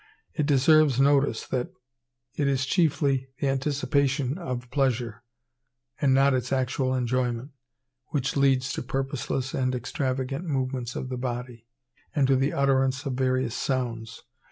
It deserves notice, that it is chiefly the anticipation of a pleasure, and not its actual enjoyment, which leads to purposeless and extravagant movements of the body, and to the utterance of various sounds.